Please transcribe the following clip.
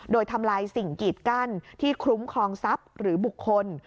โดยทำลายสิ่งกีดกั้นที่คลุ้มครองทรัพย์หรือบุคคล